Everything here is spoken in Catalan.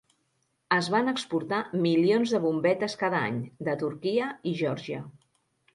Es van exportar milions de bombetes cada any, de Turquia i Georgia.